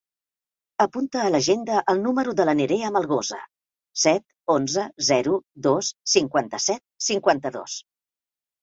Apunta a l'agenda el número de la Nerea Melgosa: set, onze, zero, dos, cinquanta-set, cinquanta-dos.